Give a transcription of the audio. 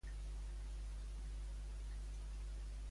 Qui va ser Miquel Coniates?